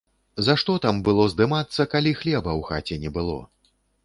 За што там было здымацца, калі хлеба ў хаце не было!